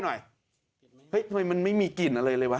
หน่อยเฮ้ยทำไมมันไม่มีกลิ่นอะไรเลยวะ